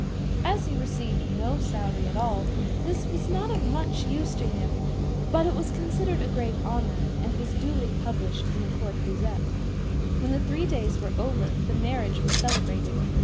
As he received no salary at all this was not of much use to him, but it was considered a great honour, and was duly published in the Court Gazette. When the three days were over the marriage was celebrated.